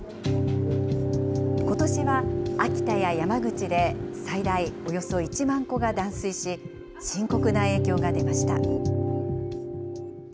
ことしは秋田や山口で最大およそ１万戸が断水し、深刻な影響が出ました。